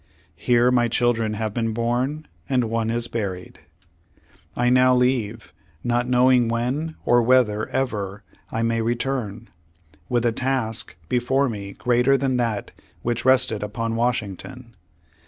Here my children have been born, and one is buried. "I now leave, not knowing when or whether ever I may return, with a task before me greater than that which rested upon Washington.